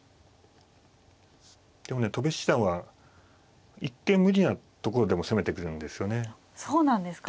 でもね戸辺七段は一見無理なところでも攻めてくるんですよね。